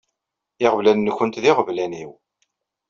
Iɣeblan-nkent d iɣeblan-iw.